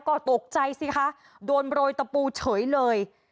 ก็ตกใจสิคะโดนโรยตะปูเฉยเลย